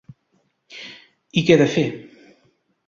I què he de fer?